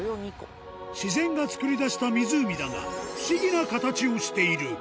自然が作り出した湖だが、不思議な形をしている。